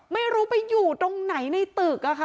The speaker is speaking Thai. ไม่รู้ไปอยู่ตรงไหนในตึกอะค่ะ